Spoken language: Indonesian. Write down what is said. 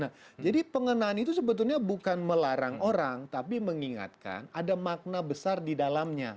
nah jadi pengenaan itu sebetulnya bukan melarang orang tapi mengingatkan ada makna besar di dalamnya